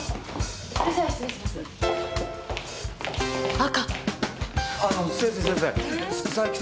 赤？